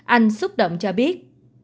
anh xúc động cho biết